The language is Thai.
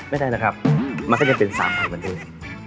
ไม่ได้นะครับมันก็จะเป็น๓๐๐๐บาทเดิม